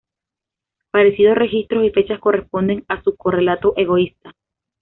Parecidos registros y fechas corresponden a su correlato "egoísta".